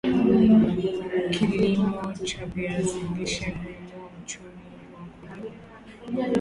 Kilimo cha viazi lishe huinua uchumi wa mkulima